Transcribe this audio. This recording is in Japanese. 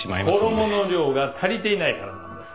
衣の量が足りていないからなんです。